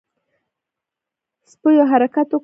سپيو حرکت وکړ.